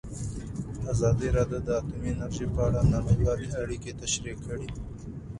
ازادي راډیو د اټومي انرژي په اړه نړیوالې اړیکې تشریح کړي.